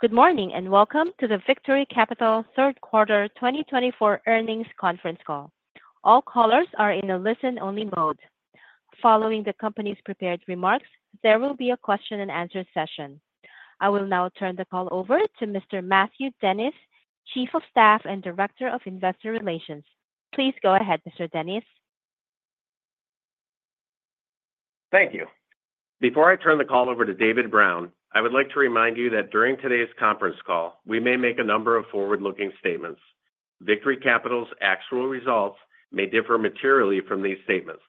Good morning and welcome to the Victory Capital Q3 2024 Earnings Conference Call. All callers are in a listen-only mode. Following the company's prepared remarks, there will be a question-and-answer session. I will now turn the call over to Mr. Matthew Dennis, Chief of Staff and Director of Investor Relations. Please go ahead, Mr. Dennis. Thank you. Before I turn the call over to David Brown, I would like to remind you that during today's conference call, we may make a number of forward-looking statements. Victory Capital's actual results may differ materially from these statements.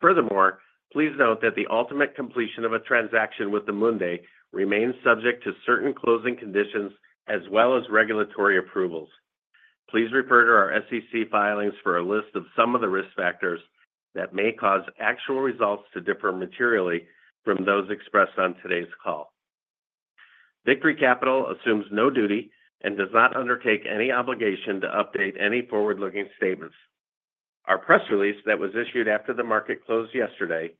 Furthermore, please note that the ultimate completion of a transaction with Amundi remains subject to certain closing conditions as well as regulatory approvals. Please refer to our SEC filings for a list of some of the risk factors that may cause actual results to differ materially from those expressed on today's call. Victory Capital assumes no duty and does not undertake any obligation to update any forward-looking statements. Our press release that was issued after the market closed yesterday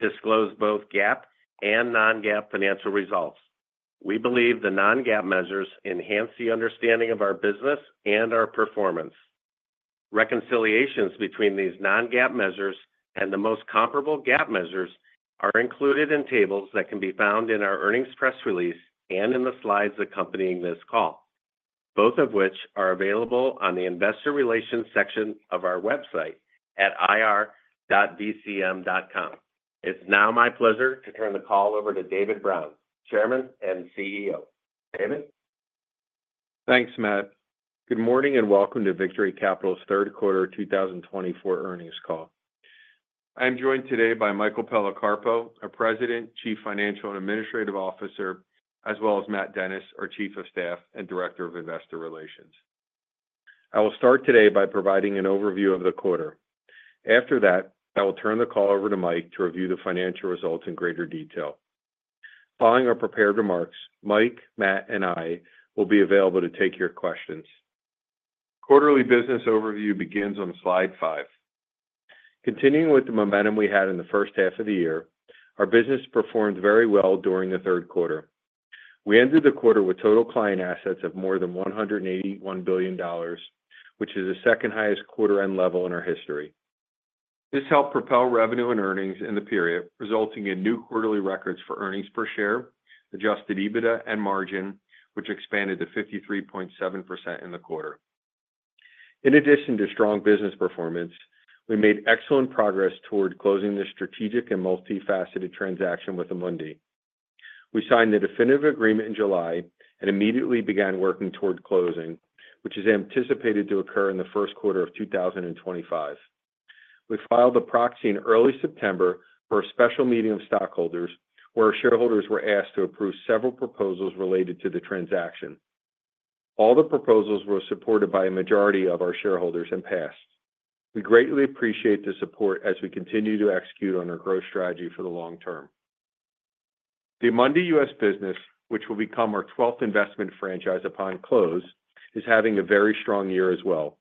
disclosed both GAAP and non-GAAP financial results. We believe the non-GAAP measures enhance the understanding of our business and our performance. Reconciliations between these non-GAAP measures and the most comparable GAAP measures are included in tables that can be found in our earnings press release and in the slides accompanying this call, both of which are available on the Investor Relations section of our website at ir.vcm.com. It's now my pleasure to turn the call over to David Brown, Chairman and CEO. David? Thanks, Matt. Good morning and welcome to Victory Capital's Q3 2024 Earnings call. I am joined today by Michael Policarpo, our President, Chief Financial and Administrative Officer, as well as Matt Dennis, our Chief of Staff and Director of Investor Relations. I will start today by providing an overview of the quarter. After that, I will turn the call over to Mike to review the financial results in greater detail. Following our prepared remarks, Mike, Matt, and I will be available to take your questions. Quarterly business overview begins on slide 5. Continuing with the momentum we had in the first half of the year, our business performed very well during the Q3. We ended the quarter with total client assets of more than $181 billion, which is the second-highest quarter-end level in our history. This helped propel revenue and earnings in the period, resulting in new quarterly records for earnings per share, adjusted EBITDA, and margin, which expanded to 53.7% in the quarter. In addition to strong business performance, we made excellent progress toward closing the strategic and multifaceted transaction with Amundi. We signed the definitive agreement in July and immediately began working toward closing, which is anticipated to occur in the Q1 of 2025. We filed a proxy in early September for a special meeting of stockholders where our shareholders were asked to approve several proposals related to the transaction. All the proposals were supported by a majority of our shareholders and passed. We greatly appreciate the support as we continue to execute on our growth strategy for the long term. The Amundi U.S. business, which will become our 12th investment franchise upon close, is having a very strong year as well.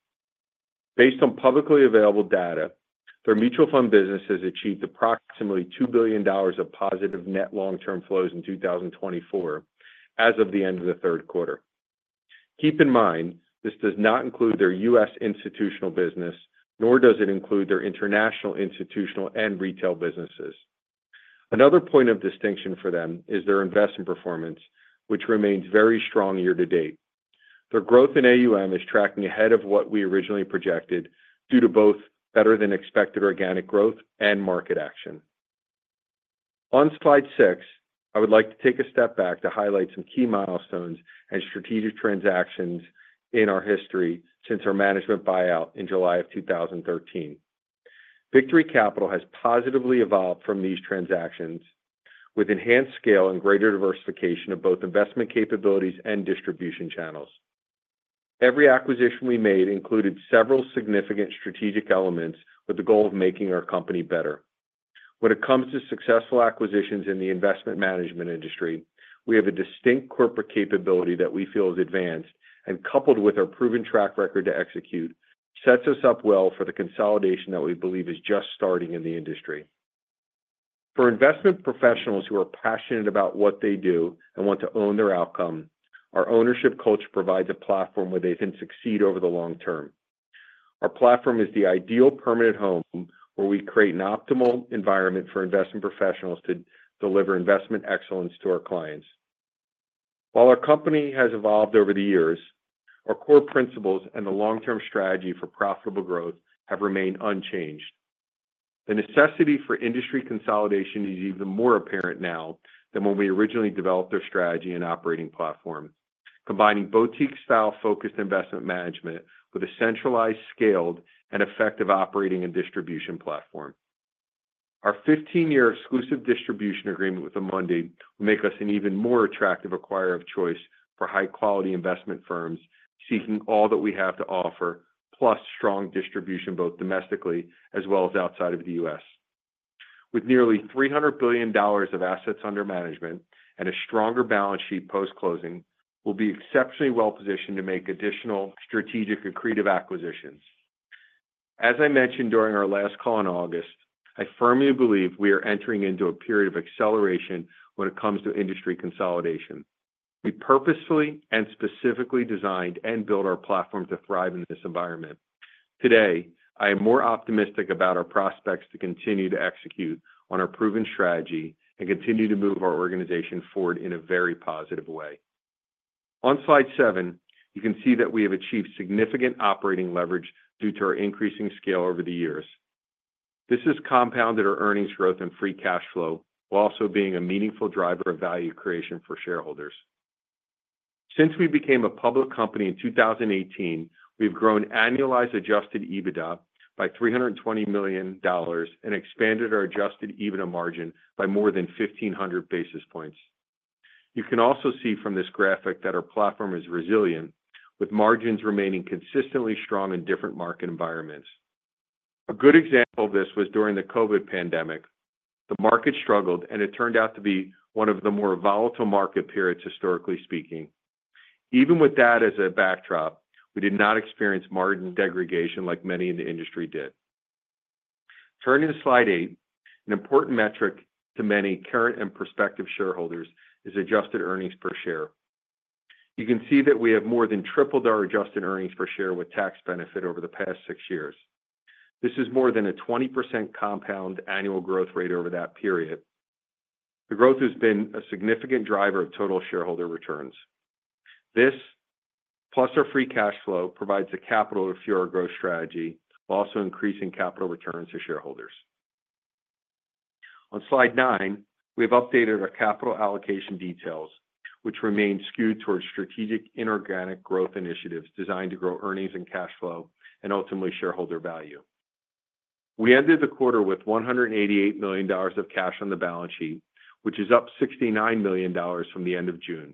Based on publicly available data, their mutual fund business has achieved approximately $2 billion of positive net long-term flows in 2024 as of the end of the Q3. Keep in mind this does not include their U.S. institutional business, nor does it include their international institutional and retail businesses. Another point of distinction for them is their investment performance, which remains very strong year to date. Their growth in AUM is tracking ahead of what we originally projected due to both better-than-expected organic growth and market action. On slide 6, I would like to take a step back to highlight some key milestones and strategic transactions in our history since our management buyout in July of 2013. Victory Capital has positively evolved from these transactions, with enhanced scale and greater diversification of both investment capabilities and distribution channels. Every acquisition we made included several significant strategic elements with the goal of making our company better. When it comes to successful acquisitions in the investment management industry, we have a distinct corporate capability that we feel is advanced and, coupled with our proven track record to execute, sets us up well for the consolidation that we believe is just starting in the industry. For investment professionals who are passionate about what they do and want to own their outcome, our ownership culture provides a platform where they can succeed over the long term. Our platform is the ideal permanent home where we create an optimal environment for investment professionals to deliver investment excellence to our clients. While our company has evolved over the years, our core principles and the long-term strategy for profitable growth have remained unchanged. The necessity for industry consolidation is even more apparent now than when we originally developed our strategy and operating platform, combining boutique-style focused investment management with a centralized, scaled, and effective operating and distribution platform. Our 15-year exclusive distribution agreement with Amundi will make us an even more attractive acquirer of choice for high-quality investment firms seeking all that we have to offer, plus strong distribution both domestically as well as outside of the U.S. With nearly $300 billion of assets under management and a stronger balance sheet post-closing, we'll be exceptionally well-positioned to make additional strategic accretive acquisitions. As I mentioned during our last call in August, I firmly believe we are entering into a period of acceleration when it comes to industry consolidation. We purposefully and specifically designed and built our platform to thrive in this environment. Today, I am more optimistic about our prospects to continue to execute on our proven strategy and continue to move our organization forward in a very positive way. On slide 7, you can see that we have achieved significant operating leverage due to our increasing scale over the years. This has compounded our earnings growth and free cash flow while also being a meaningful driver of value creation for shareholders. Since we became a public company in 2018, we have grown annualized Adjusted EBITDA by $320 million and expanded our Adjusted EBITDA margin by more than 1,500 basis points. You can also see from this graphic that our platform is resilient, with margins remaining consistently strong in different market environments. A good example of this was during the COVID pandemic. The market struggled, and it turned out to be one of the more volatile market periods, historically speaking. Even with that as a backdrop, we did not experience margin degradation like many in the industry did. Turning to slide 8, an important metric to many current and prospective shareholders is adjusted earnings per share. You can see that we have more than tripled our adjusted earnings per share with tax benefit over the past six years. This is more than a 20% compound annual growth rate over that period. The growth has been a significant driver of total shareholder returns. This, plus our free cash flow, provides a capital-efficient growth strategy, while also increasing capital returns to shareholders. On slide 9, we have updated our capital allocation details, which remain skewed toward strategic inorganic growth initiatives designed to grow earnings and cash flow and ultimately shareholder value. We ended the quarter with $188 million of cash on the balance sheet, which is up $69 million from the end of June.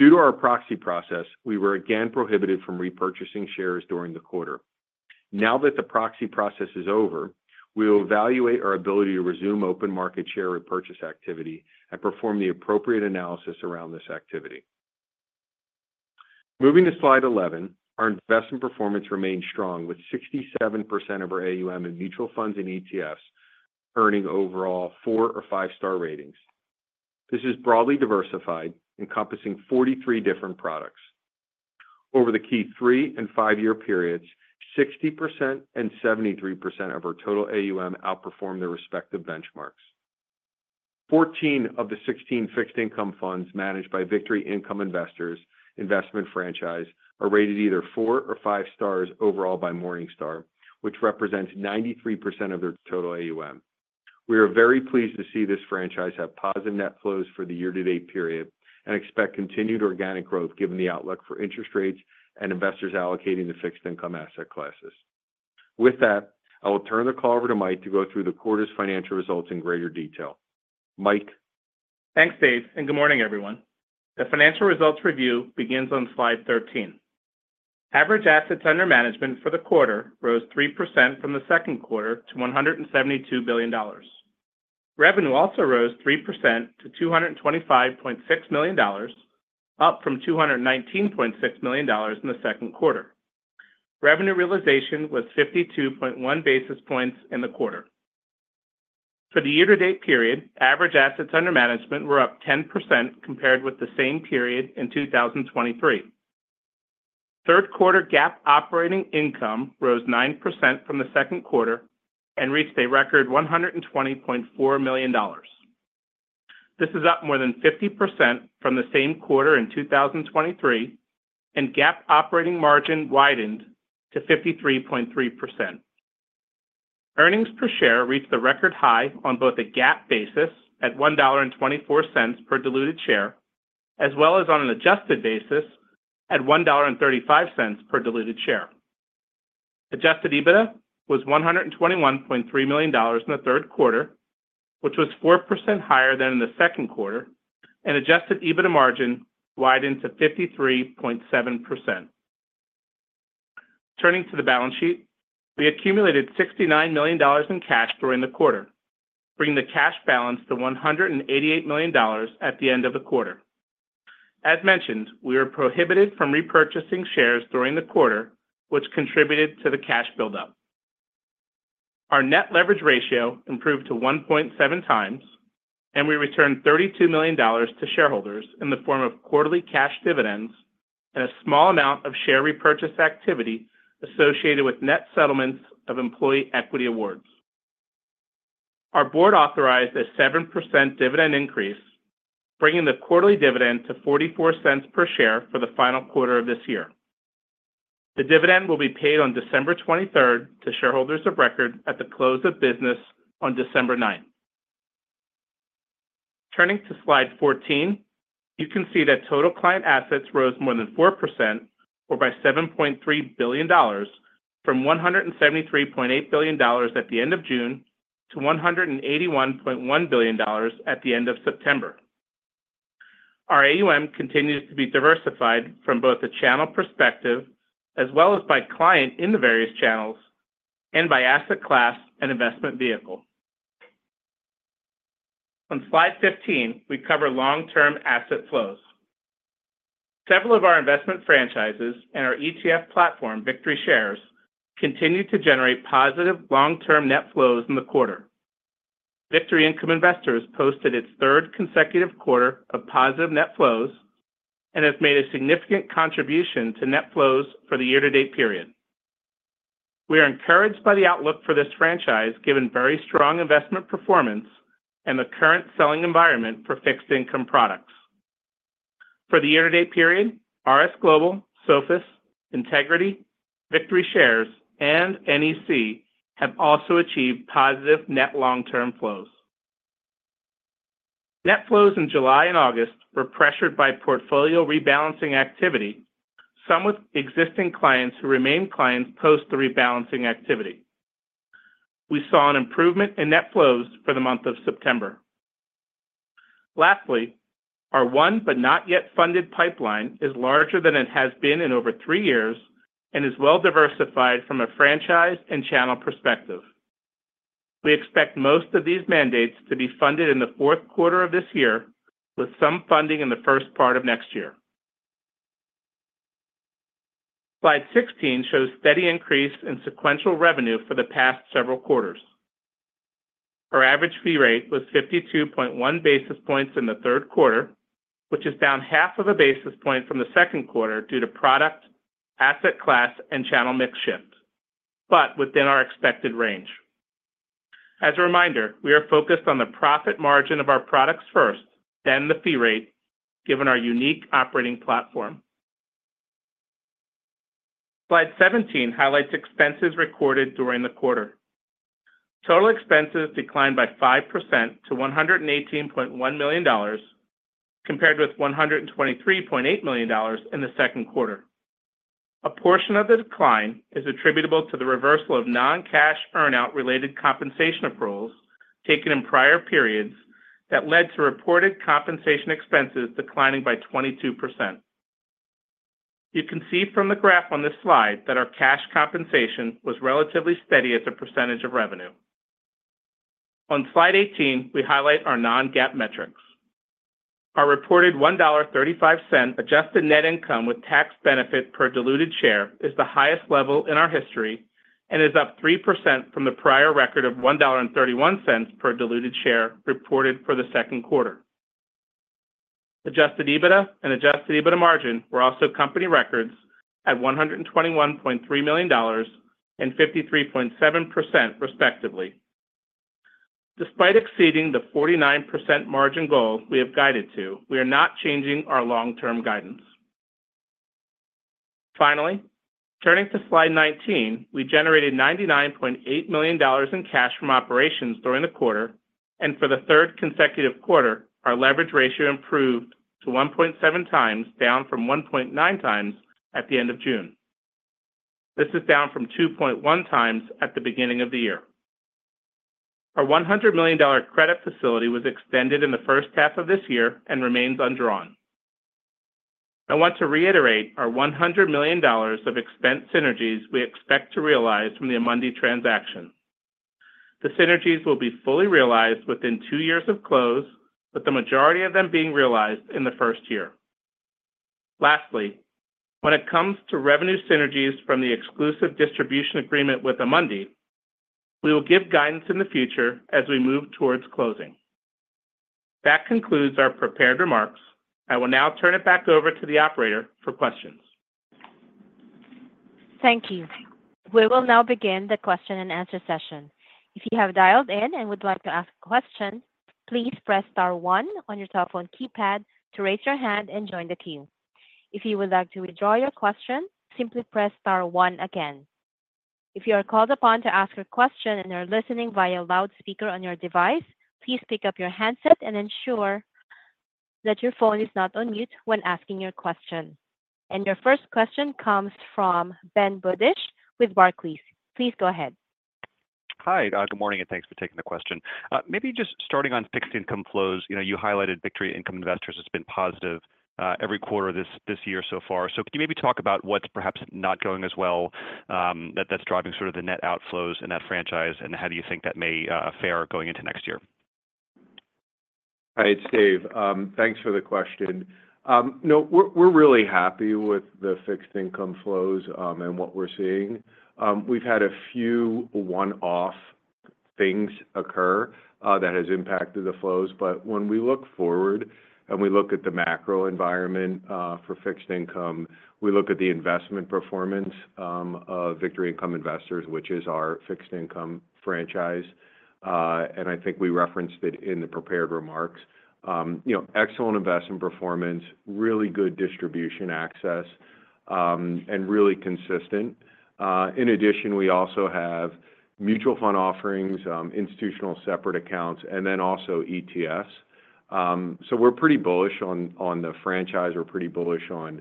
Due to our proxy process, we were again prohibited from repurchasing shares during the quarter. Now that the proxy process is over, we will evaluate our ability to resume open market share repurchase activity and perform the appropriate analysis around this activity. Moving to slide 11, our investment performance remains strong, with 67% of our AUM in mutual funds and ETFs earning overall 4 or 5-star ratings. This is broadly diversified, encompassing 43 different products. Over the key 3- and 5-year periods, 60% and 73% of our total AUM outperformed their respective benchmarks. 14 of the 16 fixed-income funds managed by Victory Income Investors investment franchise are rated either 4 or 5 stars overall by Morningstar, which represents 93% of their total AUM. We are very pleased to see this franchise have positive net flows for the year-to-date period and expect continued organic growth given the outlook for interest rates and investors allocating to fixed-income asset classes. With that, I will turn the call over to Mike to go through the quarter's financial results in greater detail. Mike. Thanks, Dave, and good morning, everyone. The financial results review begins on slide 13. Average assets under management for the quarter rose 3% from the Q2 to $172 billion. Revenue also rose 3% to $225.6 million, up from $219.6 million in the Q2. Revenue realization was 52.1 basis points in the quarter. For the year-to-date period, average assets under management were up 10% compared with the same period in 2023. Q3 GAAP operating income rose 9% from the Q2 and reached a record $120.4 million. This is up more than 50% from the same quarter in 2023, and GAAP operating margin widened to 53.3%. Earnings per share reached a record high on both a GAAP basis at $1.24 per diluted share as well as on an adjusted basis at $1.35 per diluted share. Adjusted EBITDA was $121.3 million in the Q3, which was 4% higher than in the Q2, and adjusted EBITDA margin widened to 53.7%. Turning to the balance sheet, we accumulated $69 million in cash during the quarter, bringing the cash balance to $188 million at the end of the quarter. As mentioned, we were prohibited from repurchasing shares during the quarter, which contributed to the cash buildup. Our net leverage ratio improved to 1.7 times, and we returned $32 million to shareholders in the form of quarterly cash dividends and a small amount of share repurchase activity associated with net settlements of employee equity awards. Our board authorized a 7% dividend increase, bringing the quarterly dividend to $0.44 per share for the final quarter of this year. The dividend will be paid on December 23 to shareholders of record at the close of business on December 9. Turning to slide 14, you can see that total client assets rose more than 4%, or by $7.3 billion, from $173.8 billion at the end of June to $181.1 billion at the end of September. Our AUM continues to be diversified from both the channel perspective as well as by client in the various channels and by asset class and investment vehicle. On slide 15, we cover long-term asset flows. Several of our investment franchises and our ETF platform, VictoryShares, continue to generate positive long-term net flows in the quarter. Victory Income Investors posted its third consecutive quarter of positive net flows and has made a significant contribution to net flows for the year-to-date period. We are encouraged by the outlook for this franchise given very strong investment performance and the current selling environment for fixed-income products. For the year-to-date period, RS Global, Sophus, Integrity, VictoryShares, and NEC have also achieved positive net long-term flows. Net flows in July and August were pressured by portfolio rebalancing activity, some with existing clients who remain clients post the rebalancing activity. We saw an improvement in net flows for the month of September. Lastly, our $1 billion but not yet funded pipeline is larger than it has been in over three years and is well-diversified from a franchise and channel perspective. We expect most of these mandates to be funded in the Q4 of this year, with some funding in the first part of next year. Slide 16 shows steady increase in sequential revenue for the past several quarters. Our average fee rate was 52.1 basis points in the Q3, which is down half of a basis point from the Q2 due to product, asset class, and channel mix shift, but within our expected range. As a reminder, we are focused on the profit margin of our products first, then the fee rate, given our unique operating platform. Slide 17 highlights expenses recorded during the quarter. Total expenses declined by 5% to $118.1 million, compared with $123.8 million in the Q2. A portion of the decline is attributable to the reversal of non-cash earnout-related compensation approvals taken in prior periods that led to reported compensation expenses declining by 22%. You can see from the graph on this slide that our cash compensation was relatively steady as a percentage of revenue. On slide 18, we highlight our non-GAAP metrics. Our reported $1.35 adjusted net income with tax benefit per diluted share is the highest level in our history and is up 3% from the prior record of $1.31 per diluted share reported for the Q2. Adjusted EBITDA and adjusted EBITDA margin were also company records at $121.3 million and 53.7%, respectively. Despite exceeding the 49% margin goal we have guided to, we are not changing our long-term guidance. Finally, turning to slide 19, we generated $99.8 million in cash from operations during the quarter, and for the third consecutive quarter, our leverage ratio improved to 1.7 times, down from 1.9 times at the end of June. This is down from 2.1 times at the beginning of the year. Our $100 million credit facility was extended in the first half of this year and remains undrawn. I want to reiterate our $100 million of expense synergies we expect to realize from the Amundi transaction. The synergies will be fully realized within two years of close, with the majority of them being realized in the first year. Lastly, when it comes to revenue synergies from the exclusive distribution agreement with Amundi, we will give guidance in the future as we move towards closing. That concludes our prepared remarks. I will now turn it back over to the operator for questions. Thank you. We will now begin the question-and-answer session. If you have dialed in and would like to ask a question, please press star one on your cell phone keypad to raise your hand and join the queue. If you would like to withdraw your question, simply press star one again. If you are called upon to ask a question and are listening via loudspeaker on your device, please pick up your handset and ensure that your phone is not on mute when asking your question. And your first question comes from Ben Budish with Barclays. Please go ahead. Hi, good morning, and thanks for taking the question. Maybe just starting on fixed-income flows, you highlighted Victory Income Investors has been positive every quarter this year so far. So can you maybe talk about what's perhaps not going as well that's driving sort of the net outflows in that franchise, and how do you think that may fare going into next year? Hi, it's Dave. Thanks for the question. No, we're really happy with the fixed-income flows and what we're seeing. We've had a few one-off things occur that have impacted the flows, but when we look forward and we look at the macro environment for fixed-income, we look at the investment performance of Victory Income Investors, which is our fixed-income franchise. And I think we referenced it in the prepared remarks. Excellent investment performance, really good distribution access, and really consistent. In addition, we also have mutual fund offerings, institutional separate accounts, and then also ETFs. So we're pretty bullish on the franchise. We're pretty bullish on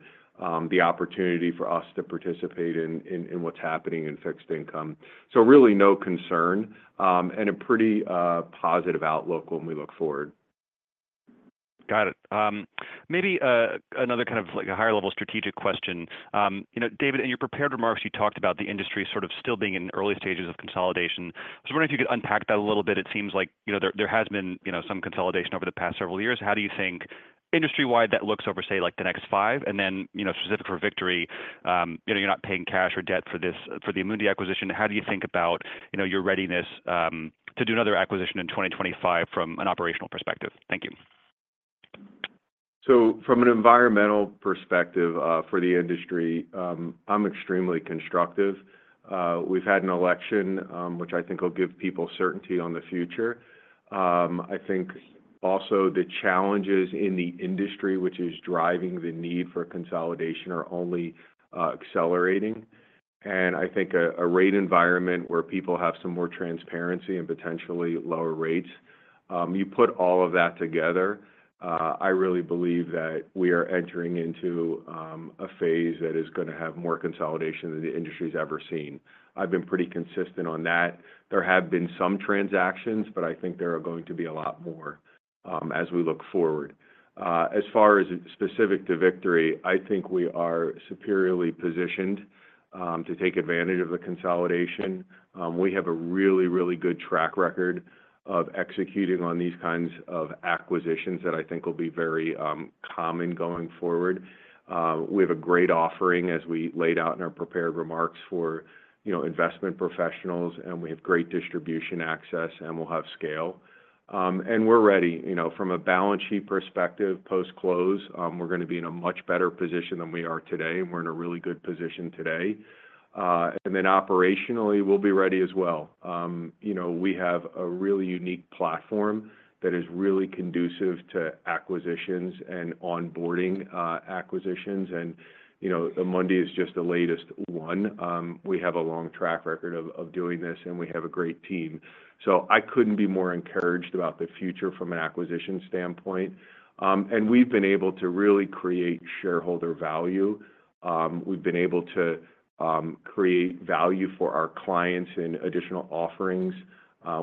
the opportunity for us to participate in what's happening in fixed-income. So really no concern and a pretty positive outlook when we look forward. Got it. Maybe another kind of higher-level strategic question. David, in your prepared remarks, you talked about the industry sort of still being in early stages of consolidation. I was wondering if you could unpack that a little bit. It seems like there has been some consolidation over the past several years. How do you think, industry-wide, that looks over, say, the next five? And then specific for Victory, you're not paying cash or debt for the Amundi acquisition. How do you think about your readiness to do another acquisition in 2025 from an operational perspective? Thank you. So from an environmental perspective for the industry, I'm extremely constructive. We've had an election, which I think will give people certainty on the future. I think also the challenges in the industry, which is driving the need for consolidation, are only accelerating. And I think a rate environment where people have some more transparency and potentially lower rates, you put all of that together, I really believe that we are entering into a phase that is going to have more consolidation than the industry has ever seen. I've been pretty consistent on that. There have been some transactions, but I think there are going to be a lot more as we look forward. As far as specific to Victory, I think we are superiorly positioned to take advantage of the consolidation. We have a really, really good track record of executing on these kinds of acquisitions that I think will be very common going forward. We have a great offering, as we laid out in our prepared remarks, for investment professionals, and we have great distribution access, and we'll have scale, and we're ready. From a balance sheet perspective, post-close, we're going to be in a much better position than we are today, and we're in a really good position today, and then operationally, we'll be ready as well. We have a really unique platform that is really conducive to acquisitions and onboarding acquisitions, and Amundi is just the latest one. We have a long track record of doing this, and we have a great team, so I couldn't be more encouraged about the future from an acquisition standpoint, and we've been able to really create shareholder value. We've been able to create value for our clients in additional offerings.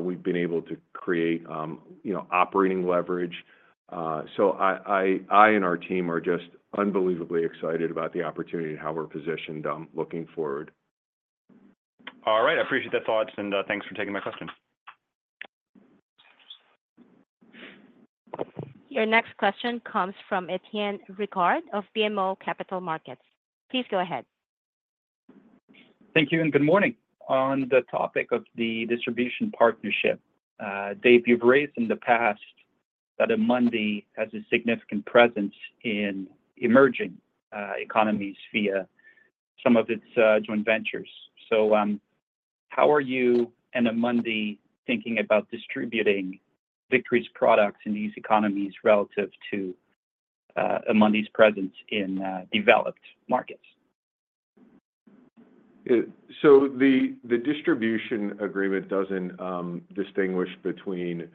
We've been able to create operating leverage. So I and our team are just unbelievably excited about the opportunity and how we're positioned looking forward. All right. I appreciate the thoughts, and thanks for taking my question. Your next question comes from Étienne Ricard of BMO Capital Markets. Please go ahead. Thank you, and good morning. On the topic of the distribution partnership, Dave, you've raised in the past that Amundi has a significant presence in emerging economies via some of its joint ventures. So how are you and Amundi thinking about distributing Victory's products in these economies relative to Amundi's presence in developed markets? So the distribution agreement doesn't distinguish between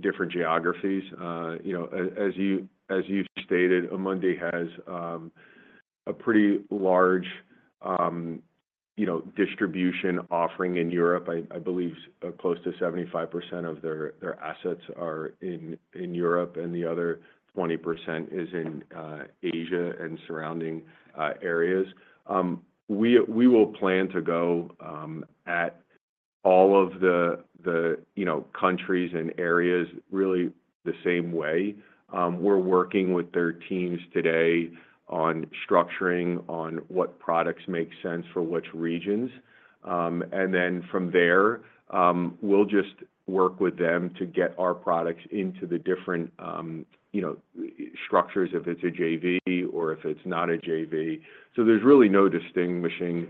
different geographies. As you've stated, Amundi has a pretty large distribution offering in Europe. I believe close to 75% of their assets are in Europe, and the other 20% is in Asia and surrounding areas. We will plan to go at all of the countries and areas really the same way. We're working with their teams today on structuring, on what products make sense for which regions. And then from there, we'll just work with them to get our products into the different structures, if it's a JV or if it's not a JV. So there's really no distinguishing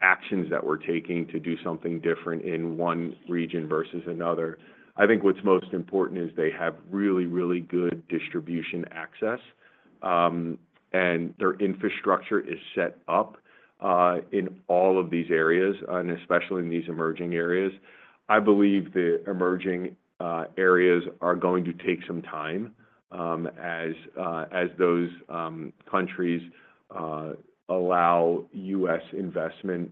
actions that we're taking to do something different in one region versus another. I think what's most important is they have really, really good distribution access, and their infrastructure is set up in all of these areas, and especially in these emerging areas. I believe the emerging areas are going to take some time as those countries allow U.S. investment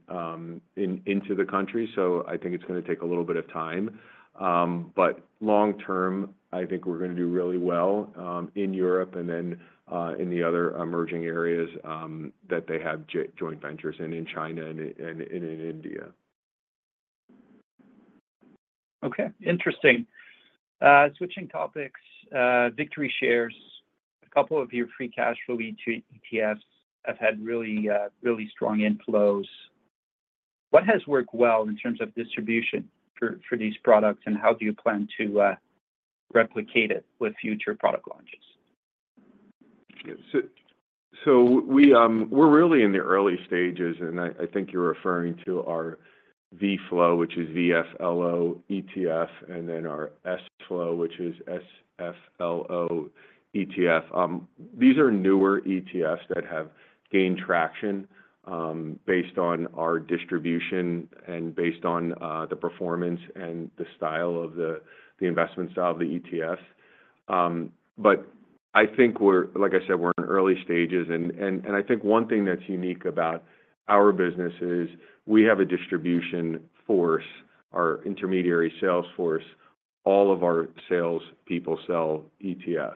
into the country. So I think it's going to take a little bit of time. But long term, I think we're going to do really well in Europe and then in the other emerging areas that they have joint ventures in, in China and in India. Okay. Interesting. Switching topics, VictoryShares, a couple of your free cash flow ETFs have had really, really strong inflows. What has worked well in terms of distribution for these products, and how do you plan to replicate it with future product launches? So we're really in the early stages, and I think you're referring to our VFLO, which is V-F-L-O ETF, and then our SFLO, which is S-F-L-O ETF. These are newer ETFs that have gained traction based on our distribution and based on the performance and the style of the investment style of the ETF. But I think we're, like I said, we're in early stages. And I think one thing that's unique about our business is we have a distribution force, our intermediary sales force. All of our salespeople sell ETFs.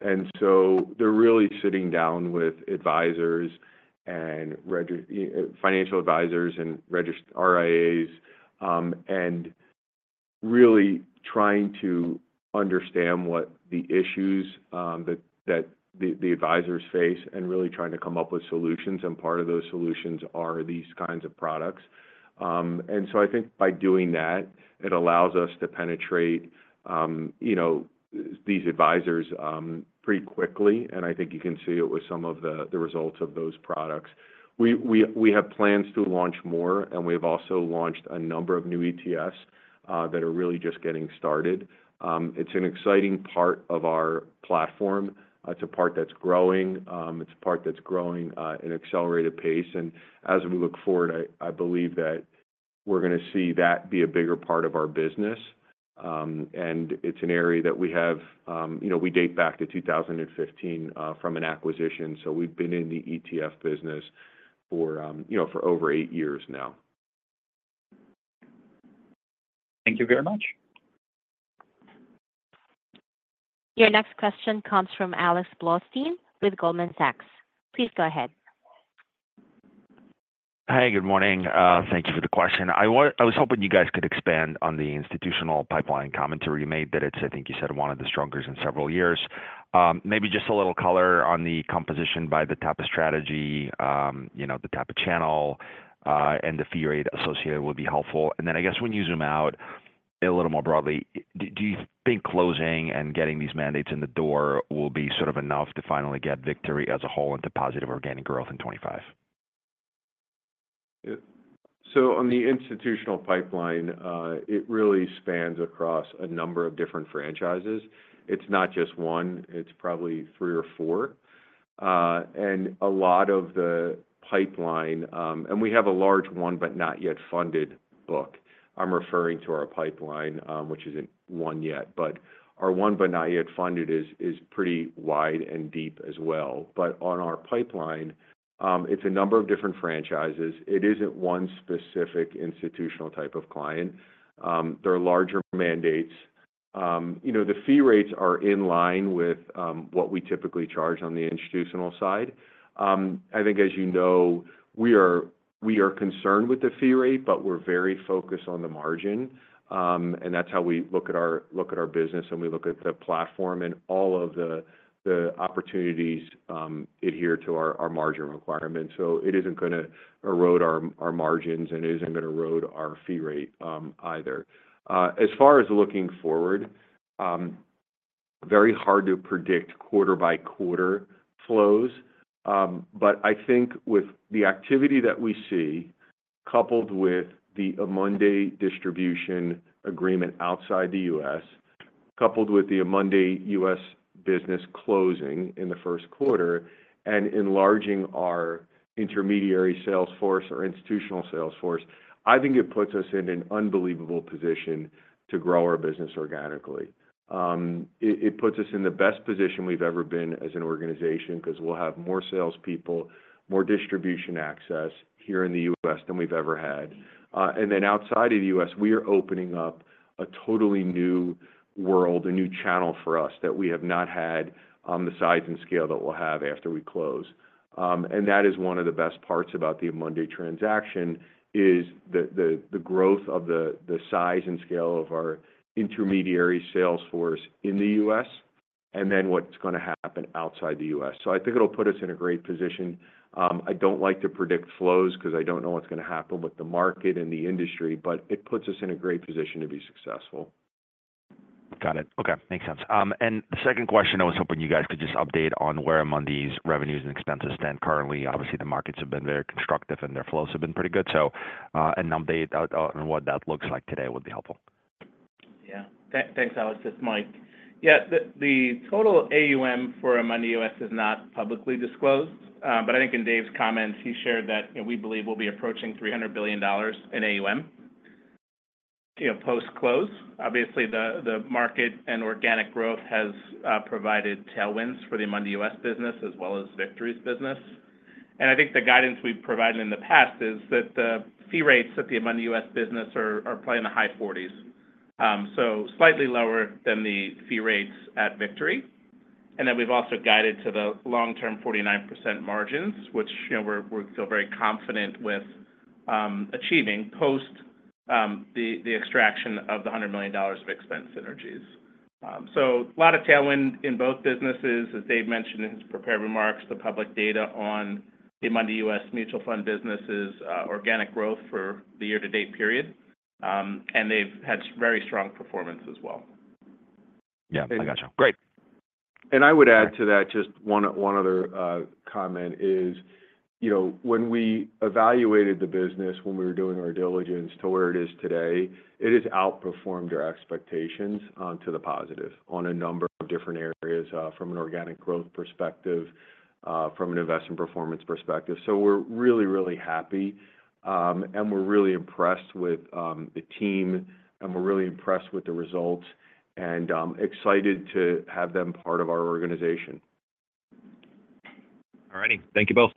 And so they're really sitting down with advisors and financial advisors and RIAs and really trying to understand what the issues that the advisors face and really trying to come up with solutions. And part of those solutions are these kinds of products. And so I think by doing that, it allows us to penetrate these advisors pretty quickly. And I think you can see it with some of the results of those products. We have plans to launch more, and we have also launched a number of new ETFs that are really just getting started. It's an exciting part of our platform. It's a part that's growing. It's a part that's growing at an accelerated pace. And as we look forward, I believe that we're going to see that be a bigger part of our business. And it's an area that we have, we date back to 2015 from an acquisition. So we've been in the ETF business for over eight years now. Thank you very much. Your next question comes from Alex Blostein with Goldman Sachs. Please go ahead. Hi, good morning. Thank you for the question. I was hoping you guys could expand on the institutional pipeline commentary you made, that it's, I think you said, one of the strongest in several years. Maybe just a little color on the composition by the type of strategy, the type of channel, and the fee rate associated would be helpful. And then I guess when you zoom out a little more broadly, do you think closing and getting these mandates in the door will be sort of enough to finally get Victory as a whole into positive organic growth in 2025? So on the institutional pipeline, it really spans across a number of different franchises. It's not just one. It's probably three or four. And a lot of the pipeline and we have a large won-but-not-yet-funded book. I'm referring to our pipeline, which isn't won yet. But our won-but-not-yet-funded is pretty wide and deep as well. But on our pipeline, it's a number of different franchises. It isn't one specific institutional type of client. They're larger mandates. The fee rates are in line with what we typically charge on the institutional side. I think, as you know, we are concerned with the fee rate, but we're very focused on the margin. And that's how we look at our business, and we look at the platform and all of the opportunities adhered to our margin requirements. So it isn't going to erode our margins, and it isn't going to erode our fee rate either. As far as looking forward, very hard to predict quarter-by-quarter flows. But I think with the activity that we see, coupled with the Amundi distribution agreement outside the U.S., coupled with the Amundi U.S. business closing in the first quarter, and enlarging our intermediary sales force or institutional sales force, I think it puts us in an unbelievable position to grow our business organically. It puts us in the best position we've ever been as an organization because we'll have more salespeople, more distribution access here in the U.S. than we've ever had. And then outside of the U.S., we are opening up a totally new world, a new channel for us that we have not had on the size and scale that we'll have after we close. And that is one of the best parts about the Amundi transaction, is the growth of the size and scale of our intermediary sales force in the U.S. and then what's going to happen outside the U.S. So I think it'll put us in a great position. I don't like to predict flows because I don't know what's going to happen with the market and the industry, but it puts us in a great position to be successful. Got it. Okay. Makes sense, and the second question, I was hoping you guys could just update on where Amundi's revenues and expenses stand currently. Obviously, the markets have been very constructive, and their flows have been pretty good, so an update on what that looks like today would be helpful. Yeah. Thanks, Alex. It's Mike. Yeah. The total AUM for Amundi US is not publicly disclosed. But I think in Dave's comments, he shared that we believe we'll be approaching $300 billion in AUM post-close. Obviously, the market and organic growth has provided tailwinds for the Amundi US business as well as Victory's business. And I think the guidance we've provided in the past is that the fee rates at the Amundi US business are playing the high 40s, so slightly lower than the fee rates at Victory. And then we've also guided to the long-term 49% margins, which we're still very confident with achieving post the extraction of the $100 million of expense synergies. So a lot of tailwind in both businesses, as Dave mentioned in his prepared remarks, the public data on the Amundi US mutual fund businesses, organic growth for the year-to-date period. They've had very strong performance as well. Yeah. I gotcha. Great. And I would add to that just one other comment, which is when we evaluated the business when we were doing our diligence to where it is today. It has outperformed our expectations to the positive on a number of different areas from an organic growth perspective, from an investment performance perspective. So we're really, really happy, and we're really impressed with the team, and we're really impressed with the results, and excited to have them part of our organization. All righty. Thank you both.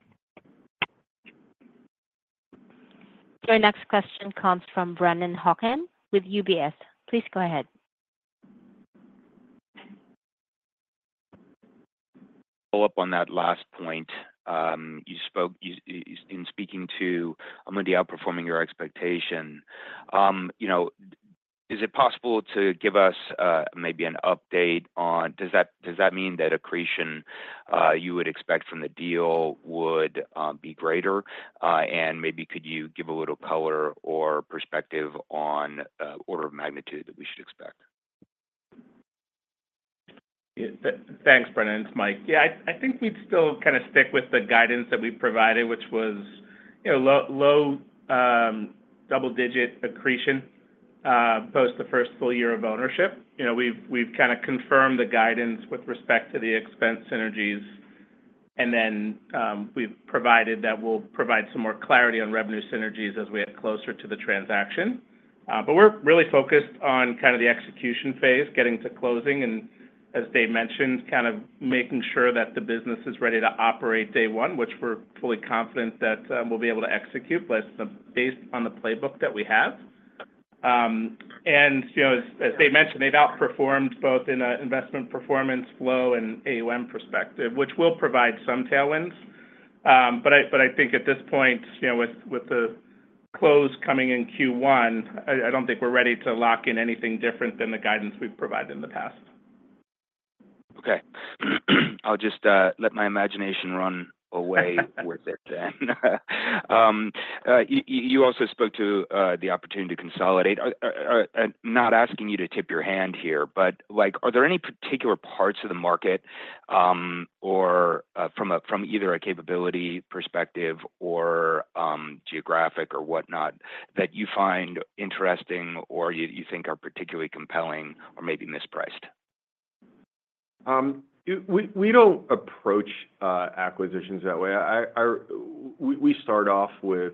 Your next question comes from Brennan Hawken with UBS. Please go ahead. Follow up on that last point. You spoke in speaking to Amundi outperforming your expectation. Is it possible to give us maybe an update on does that mean that accretion you would expect from the deal would be greater? And maybe could you give a little color or perspective on order of magnitude that we should expect? Thanks, Brennan. It's Mike. Yeah. I think we'd still kind of stick with the guidance that we provided, which was low double-digit accretion post the first full year of ownership. We've kind of confirmed the guidance with respect to the expense synergies, and then we've provided that we'll provide some more clarity on revenue synergies as we get closer to the transaction. But we're really focused on kind of the execution phase, getting to closing, and as Dave mentioned, kind of making sure that the business is ready to operate day one, which we're fully confident that we'll be able to execute based on the playbook that we have. And as Dave mentioned, they've outperformed both in an investment performance flow and AUM perspective, which will provide some tailwinds. But I think at this point, with the close coming in Q1, I don't think we're ready to lock in anything different than the guidance we've provided in the past. Okay. I'll just let my imagination run away with it then. You also spoke to the opportunity to consolidate. Not asking you to tip your hand here, but are there any particular parts of the market from either a capability perspective or geographic or whatnot that you find interesting or you think are particularly compelling or maybe mispriced? We don't approach acquisitions that way. We start off with,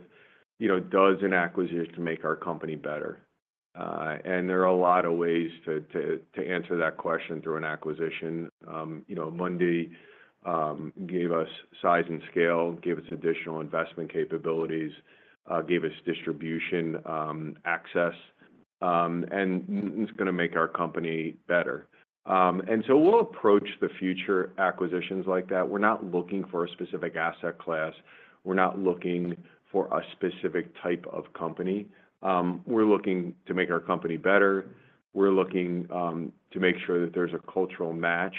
"Does an acquisition make our company better?" And there are a lot of ways to answer that question through an acquisition. Amundi gave us size and scale, gave us additional investment capabilities, gave us distribution access, and it's going to make our company better. And so we'll approach the future acquisitions like that. We're not looking for a specific asset class. We're not looking for a specific type of company. We're looking to make our company better. We're looking to make sure that there's a cultural match.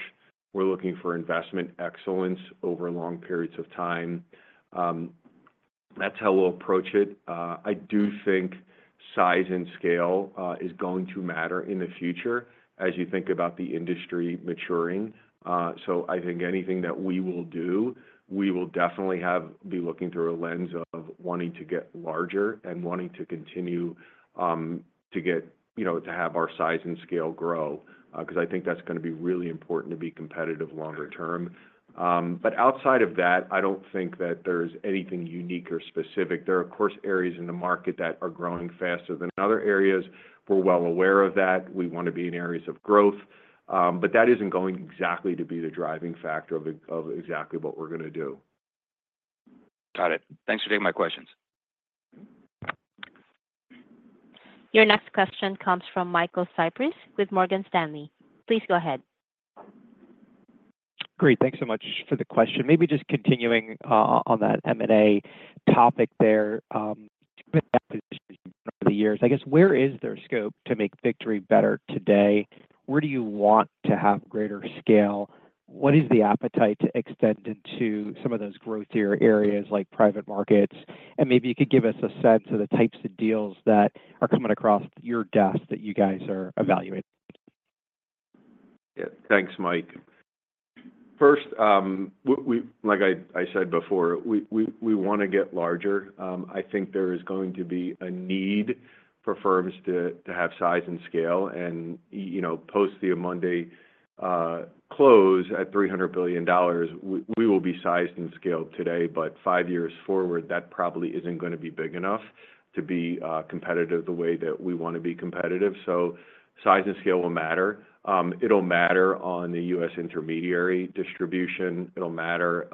We're looking for investment excellence over long periods of time. That's how we'll approach it. I do think size and scale is going to matter in the future as you think about the industry maturing. So I think anything that we will do, we will definitely be looking through a lens of wanting to get larger and wanting to continue to have our size and scale grow because I think that's going to be really important to be competitive longer term. But outside of that, I don't think that there's anything unique or specific. There are, of course, areas in the market that are growing faster than other areas. We're well aware of that. We want to be in areas of growth. But that isn't going exactly to be the driving factor of exactly what we're going to do. Got it. Thanks for taking my questions. Your next question comes from Michael Cyprys with Morgan Stanley. Please go ahead. Great. Thanks so much for the question. Maybe just continuing on that M&A topic there, different acquisitions over the years. I guess where is there scope to make Victory better today? Where do you want to have greater scale? What is the appetite to extend into some of those growthier areas like private markets? And maybe you could give us a sense of the types of deals that are coming across your desk that you guys are evaluating. Yeah. Thanks, Mike. First, like I said before, we want to get larger. I think there is going to be a need for firms to have size and scale. And post the Amundi close at $300 billion, we will be sized and scaled today. But five years forward, that probably isn't going to be big enough to be competitive the way that we want to be competitive. So size and scale will matter. It'll matter on the U.S. intermediary distribution. It'll matter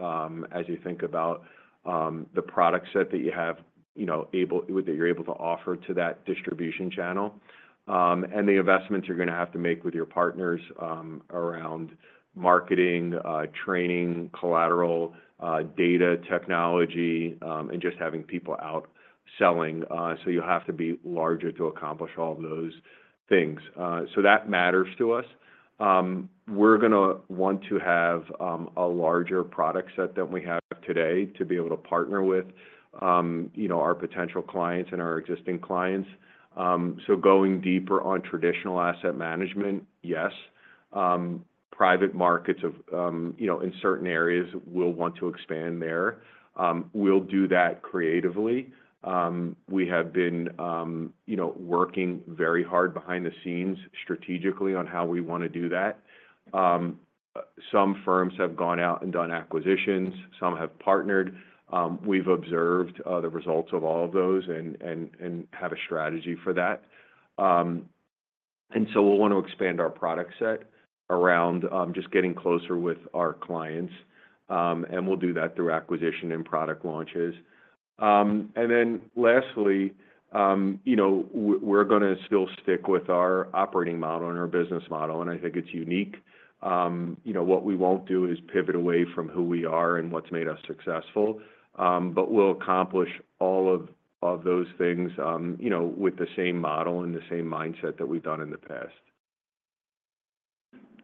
as you think about the product set that you have that you're able to offer to that distribution channel. And the investments you're going to have to make with your partners around marketing, training, collateral, data, technology, and just having people out selling. So you'll have to be larger to accomplish all of those things. So that matters to us. We're going to want to have a larger product set than we have today to be able to partner with our potential clients and our existing clients. So going deeper on traditional asset management, yes. Private markets in certain areas, we'll want to expand there. We'll do that creatively. We have been working very hard behind the scenes strategically on how we want to do that. Some firms have gone out and done acquisitions. Some have partnered. We've observed the results of all of those and have a strategy for that. And so we'll want to expand our product set around just getting closer with our clients. And we'll do that through acquisition and product launches. And then lastly, we're going to still stick with our operating model and our business model. And I think it's unique. What we won't do is pivot away from who we are and what's made us successful. But we'll accomplish all of those things with the same model and the same mindset that we've done in the past.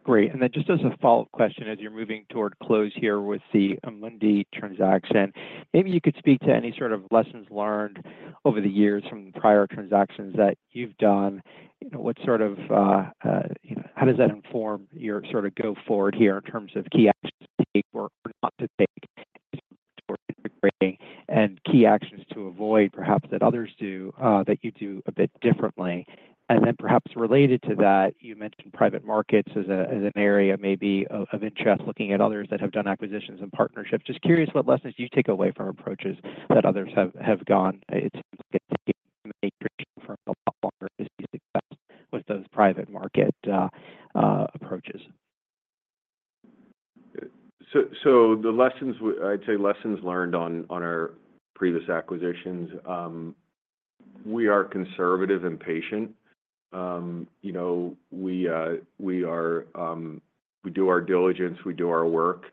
Great. And then just as a follow-up question, as you're moving toward close here with the Amundi transaction, maybe you could speak to any sort of lessons learned over the years from the prior transactions that you've done. What sort of how does that inform your sort of go-forward here in terms of key actions to take or not to take in terms of integrating and key actions to avoid perhaps that others do that you do a bit differently? And then perhaps related to that, you mentioned private markets as an area maybe of interest, looking at others that have done acquisitions and partnerships. Just curious, what lessons do you take away from approaches that others have gone? It seems like it takes some integration for a lot longer to be successful with those private market approaches. So I'd say lessons learned on our previous acquisitions. We are conservative and patient. We do our diligence. We do our work.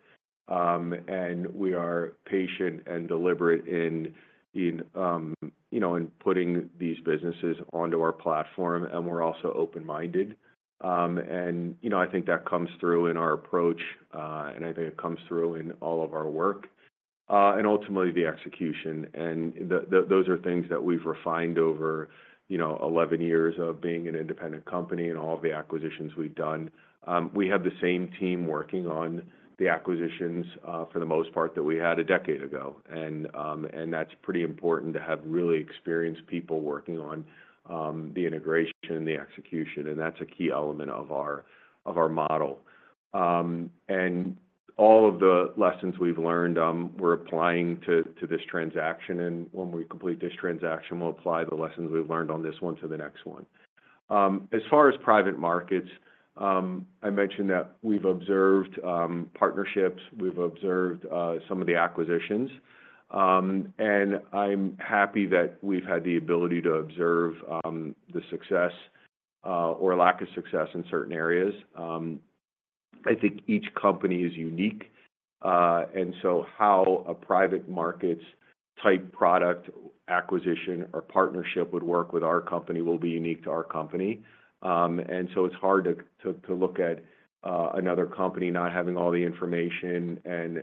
And we are patient and deliberate in putting these businesses onto our platform. And we're also open-minded. And I think that comes through in our approach. And I think it comes through in all of our work and ultimately the execution. And those are things that we've refined over 11 years of being an independent company and all of the acquisitions we've done. We have the same team working on the acquisitions for the most part that we had a decade ago. And that's pretty important to have really experienced people working on the integration and the execution. And that's a key element of our model. And all of the lessons we've learned, we're applying to this transaction. And when we complete this transaction, we'll apply the lessons we've learned on this one to the next one. As far as private markets, I mentioned that we've observed partnerships. We've observed some of the acquisitions. And I'm happy that we've had the ability to observe the success or lack of success in certain areas. I think each company is unique. And so how a private markets type product acquisition or partnership would work with our company will be unique to our company. And so it's hard to look at another company not having all the information and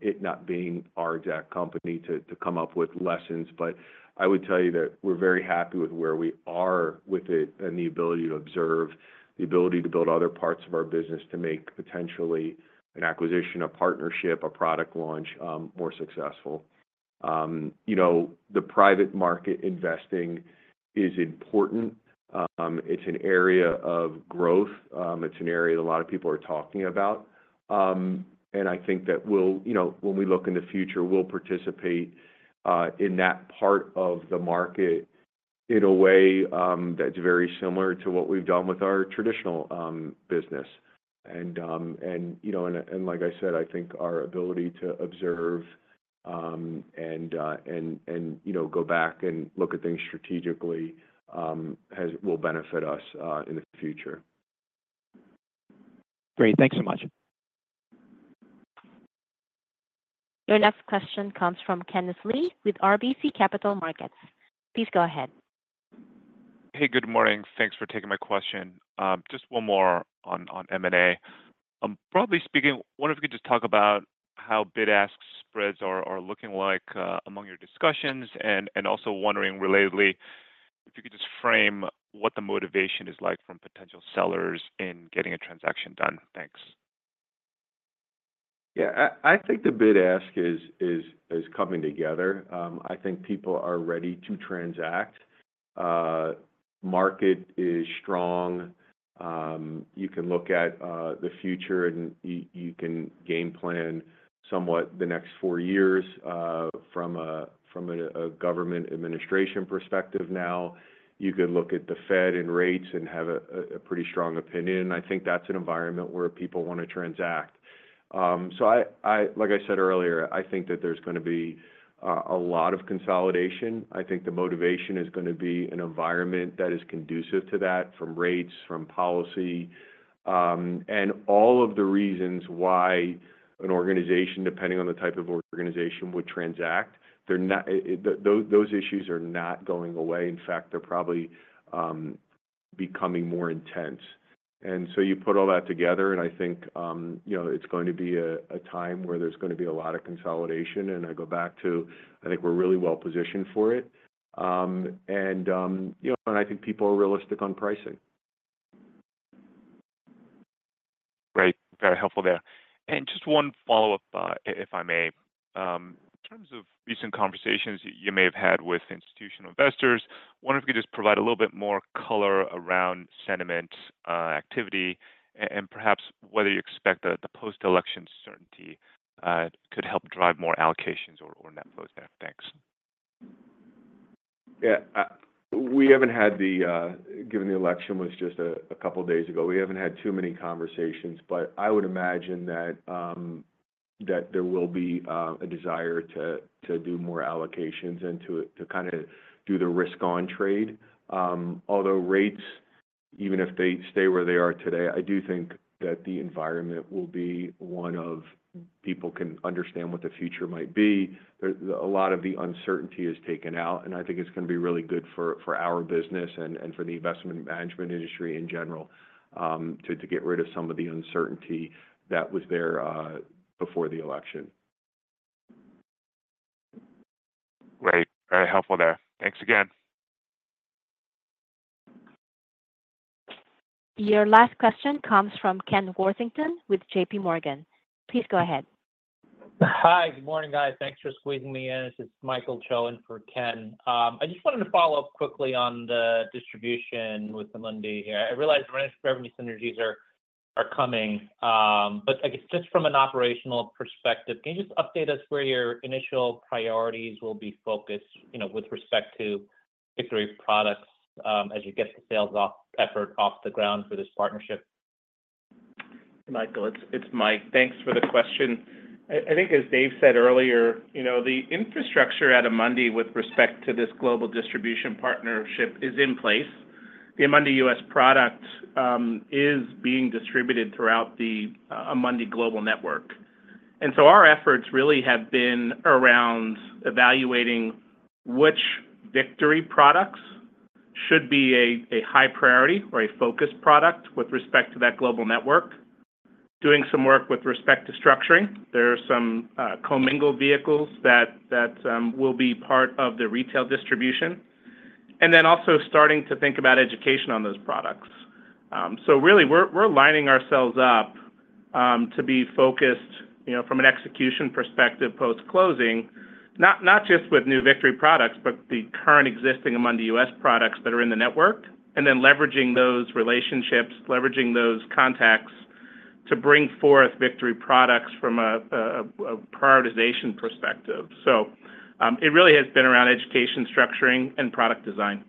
it not being our exact company to come up with lessons. But I would tell you that we're very happy with where we are with it and the ability to observe, the ability to build other parts of our business to make potentially an acquisition, a partnership, a product launch more successful. The private market investing is important. It's an area of growth. It's an area that a lot of people are talking about. And I think that when we look in the future, we'll participate in that part of the market in a way that's very similar to what we've done with our traditional business. And like I said, I think our ability to observe and go back and look at things strategically will benefit us in the future. Great. Thanks so much. Your next question comes from Kenneth Lee with RBC Capital Markets. Please go ahead. Hey, good morning. Thanks for taking my question. Just one more on M&A. Broadly speaking, wonder if you could just talk about how bid-ask spreads are looking like among your discussions. And also wondering relatedly, if you could just frame what the motivation is like from potential sellers in getting a transaction done. Thanks. Yeah. I think the bid-ask is coming together. I think people are ready to transact. Market is strong. You can look at the future, and you can game plan somewhat the next four years from a government administration perspective now. You could look at the Fed and rates and have a pretty strong opinion. And I think that's an environment where people want to transact. So like I said earlier, I think that there's going to be a lot of consolidation. I think the motivation is going to be an environment that is conducive to that from rates, from policy, and all of the reasons why an organization, depending on the type of organization, would transact. Those issues are not going away. In fact, they're probably becoming more intense. And so you put all that together, and I think it's going to be a time where there's going to be a lot of consolidation. And I go back to, I think we're really well positioned for it. And I think people are realistic on pricing. Great. Very helpful there. And just one follow-up, if I may. In terms of recent conversations you may have had with institutional investors, wonder if you could just provide a little bit more color around sentiment activity and perhaps whether you expect the post-election certainty could help drive more allocations or net flows there? Thanks. Yeah. We haven't had, given the election was just a couple of days ago, we haven't had too many conversations. But I would imagine that there will be a desire to do more allocations and to kind of do the risk-on trade. Although rates, even if they stay where they are today, I do think that the environment will be one where people can understand what the future might be. A lot of the uncertainty is taken out. And I think it's going to be really good for our business and for the investment management industry in general to get rid of some of the uncertainty that was there before the election. Great. Very helpful there. Thanks again. Your last question comes from Ken Worthington with J.P. Morgan. Please go ahead. Hi. Good morning, guys. Thanks for squeezing me in. This is Michael Cho in for Ken. I just wanted to follow up quickly on the distribution with Amundi here. I realize revenue synergies are coming. But I guess just from an operational perspective, can you just update us where your initial priorities will be focused with respect to Victory products as you get the sales effort off the ground for this partnership? Michael, it's Mike. Thanks for the question. I think as Dave said earlier, the infrastructure at Amundi with respect to this global distribution partnership is in place. The Amundi US product is being distributed throughout the Amundi Global Network. And so our efforts really have been around evaluating which Victory products should be a high priority or a focus product with respect to that global network, doing some work with respect to structuring. There are some commingled vehicles that will be part of the retail distribution. And then also starting to think about education on those products. So really, we're lining ourselves up to be focused from an execution perspective post-closing, not just with new Victory products, but the current existing Amundi U.S. products that are in the network, and then leveraging those relationships, leveraging those contacts to bring forth Victory products from a prioritization perspective. It really has been around education, structuring, and product design.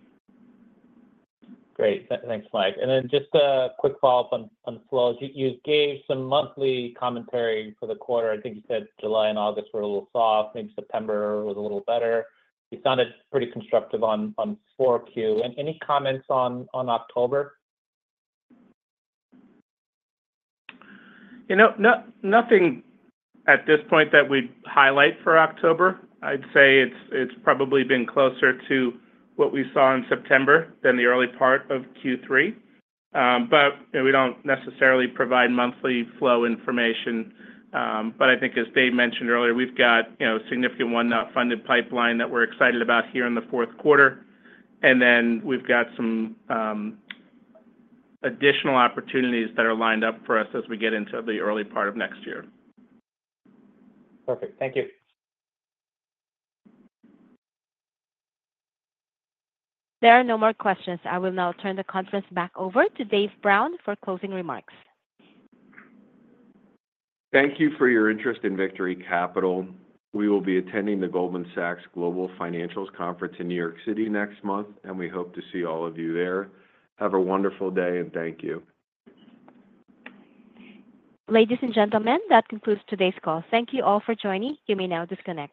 Great. Thanks, Mike. And then just a quick follow-up on flows. You gave some monthly commentary for the quarter. I think you said July and August were a little soft. Maybe September was a little better. You sounded pretty constructive on four Q. Any comments on October? Nothing at this point that we'd highlight for October. I'd say it's probably been closer to what we saw in September than the early part of Q3. But we don't necessarily provide monthly flow information. But I think as Dave mentioned earlier, we've got a significant unfunded pipeline that we're excited about here in the fourth quarter. And then we've got some additional opportunities that are lined up for us as we get into the early part of next year. Perfect. Thank you. There are no more questions. I will now turn the conference back over to Dave Brown for closing remarks. Thank you for your interest in Victory Capital. We will be attending the Goldman Sachs Global Financials Conference in New York City next month, and we hope to see all of you there. Have a wonderful day and thank you. Ladies and gentlemen, that concludes today's call. Thank you all for joining. You may now disconnect.